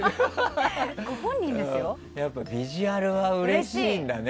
ビジュアルはうれしいんだね。